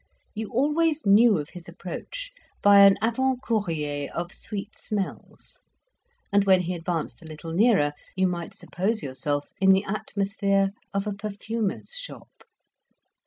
You always knew of his approach by an avant courier of sweet smells; and when he advanced a little nearer, you might suppose yourself in the atmosphere of a perfumer's shop.